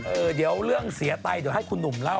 เออเดี๋ยวเรื่องเสียไตเดี๋ยวให้คุณหนุ่มเล่า